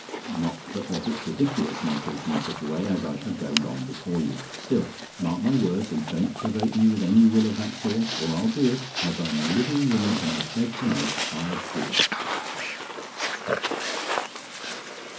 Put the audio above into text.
Not but what it's ridiculous my talking in such a way, as I shall go long before you; still, mark my words, and don't provoke me with any will of that sort, or I'd do it as I'm a living woman in this bed to night, I'd do it."